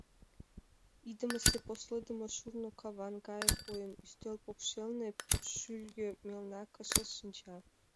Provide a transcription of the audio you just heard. Идымысе послыдымо шурно каван гай койын, ӱстел покшелне шӱльӧ мелна кышыл шинча.